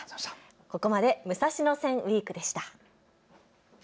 ここまで武蔵野線ウイークでした。